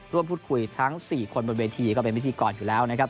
ร่วมพูดคุยทั้ง๔คนบนเวทีก็เป็นพิธีกรอยู่แล้วนะครับ